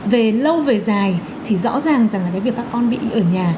về lâu về dài thì rõ ràng rằng là cái việc các con bị y ở nhà